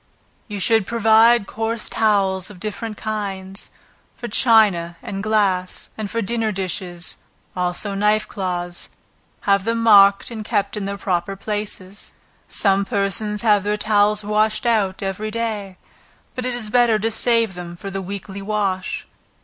You should provide coarse towels of different kinds, for china and glass, and for the dinner dishes, also knife cloths, have them marked and kept in their proper places. Some persons have their towels washed out every day, but it is better to save them for the weekly wash.